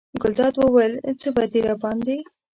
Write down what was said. ګلداد وویل: څه به دې راباندې.